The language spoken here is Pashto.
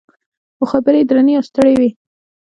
خو خبرې یې درنې او ستړې وې.